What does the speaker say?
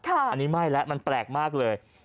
อันนี้ไม่แล้วมันแปลกมากเลย